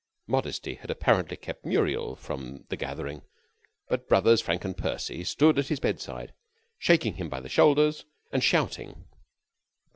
Modesty had apparently kept Muriel from the gathering, but brothers Frank and Percy stood at his bedside, shaking him by the shoulders and shouting.